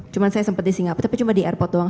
cuma saya sempat di singapura tapi cuma di airport doang